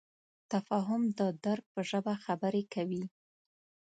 تفاهم د درک په ژبه خبرې کوي.